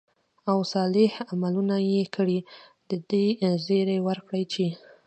او صالح عملونه ئې كړي، د دې زېرى وركړه چې: